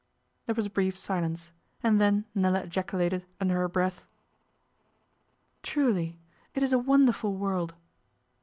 There was a brief silence, and then Nella ejaculated, under her breath. 'Truly, it is a wonderful world!